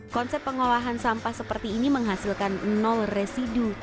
konsep pengolahan sampah seperti ini menghasilkan residu